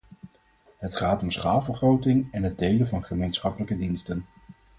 Het gaat om schaalvergroting en het delen van gemeenschappelijke diensten.